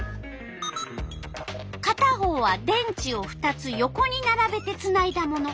かた方は電池を２つ横にならべてつないだもの。